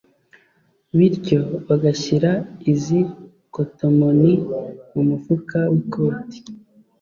bityo bagashyira izi kotomoni mu mufuka w’ikoti